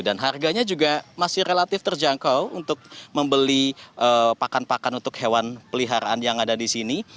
harganya juga masih relatif terjangkau untuk membeli pakan pakan untuk hewan peliharaan yang ada di sini